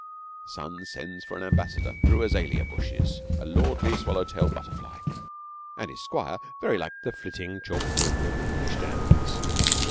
The sun sends for an ambassador through the azalea bushes a lordly swallow tailed butterfly, and his squire very like the flitting 'chalk blue' of the English downs.